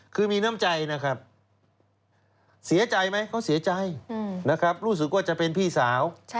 คือมีน้ำใจนะครับเสียใจไหมเขาเสียใจนะครับรู้สึกว่าจะเป็นพี่สาว